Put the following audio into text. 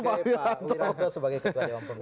pak daryat sebagai ketua umum